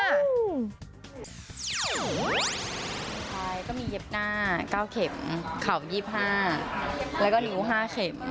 ใช่ก็มีเย็บหน้า๙เข็มเข่า๒๕แล้วก็นิ้ว๕เข็ม